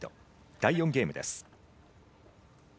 第４ゲームです。